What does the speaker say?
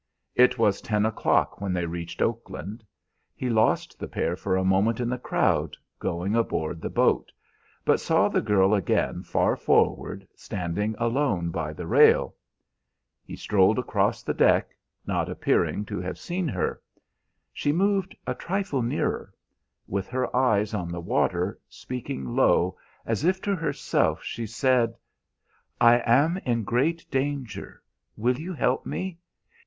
"It was ten o'clock when they reached Oakland. He lost the pair for a moment in the crowd going aboard the boat, but saw the girl again far forward, standing alone by the rail. He strolled across the deck, not appearing to have seen her. She moved a trifle nearer; with her eyes on the water, speaking low as if to herself, she said: "'I am in great danger. Will you help me?